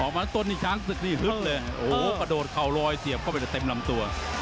ออกมาตอนนี้ช้างศึกนี่ฮึกเลยโหประโดดเขารอยเสียบเข้าไปแต่เต็มลำตัว